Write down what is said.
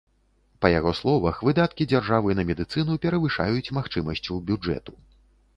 Па яго словах, выдаткі дзяржавы на медыцыну перавышаюць магчымасцю бюджэту.